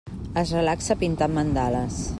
Es relaxa pintant mandales.